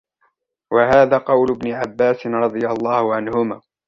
وَهَذَا قَوْلُ ابْنِ عَبَّاسٍ رَضِيَ اللَّهُ عَنْهُمَا